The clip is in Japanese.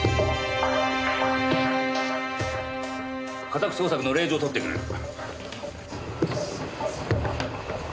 家宅捜索の令状取ってくる。